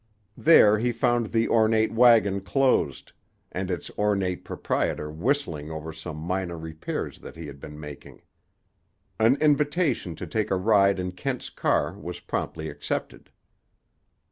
There he found the ornate wagon closed, and its ornate proprietor whistling over some minor repairs that he had been making. An invitation to take a ride in Kent's car was promptly accepted.